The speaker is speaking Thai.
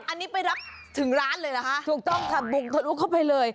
อันนี้ไปรับถึงร้านเลยเหรอฮะถูกต้องค่ะบุกทะลุเข้าไปเลย